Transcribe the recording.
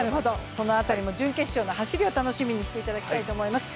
その辺りも準決勝の走りを楽しみにしていただきたいと思います。